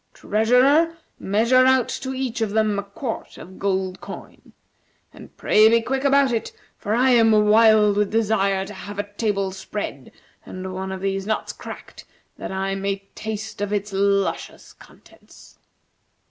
Treasurer, measure out to each of them a quart of gold coin. And pray be quick about it, for I am wild with desire to have a table spread, and one of these nuts cracked, that I may taste of its luscious contents."